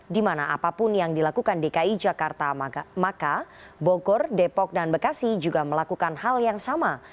dimana apapun yang dilakukan dki jakarta maka bogor depok dan bekasi juga melakukan hal yang sama